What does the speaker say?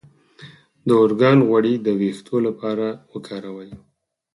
د ارګان غوړي د ویښتو لپاره وکاروئ